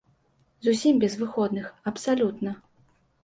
Зусім без выходных, абсалютна.